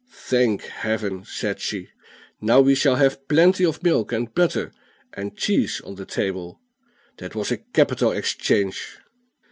"Thank Heaven," said she. "Now we shall have plenty of milk, and butter, and cheese on the table. That was a capital exchange."